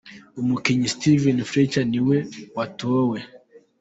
Umukinnyi Steven Fletcher ni we watowe.